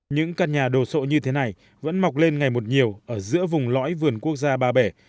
những căn nhà đồ sộ như thế này vẫn mọc lên ngày một nhiều ở giữa vùng lõi vườn quốc gia ba bể